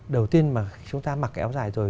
đầu tiên mà chúng ta mặc áo dài rồi